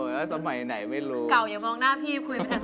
เก่าอย่ามองหน้าพี่